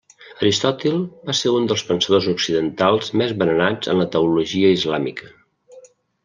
Aristòtil va ser un dels pensadors occidentals més venerats en la teologia islàmica.